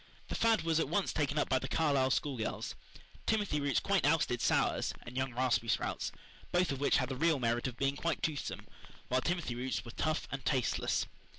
The fad was at once taken up by the Carlisle schoolgirls. Timothy roots quite ousted "sours" and young raspberry sprouts, both of which had the real merit of being quite toothsome, while timothy roots were tough and tasteless.